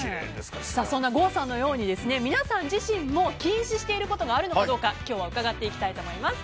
そんな郷さんのように皆さん自身も禁止していることがあるのかどうか今日は伺っていきたいと思います。